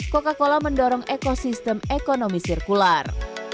coca cola mendorong ekosistem ekonomi sirkular